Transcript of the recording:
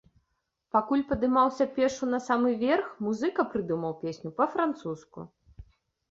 Пакуль падымаўся пешшу на самы верх, музыка прыдумаў песню па-французску.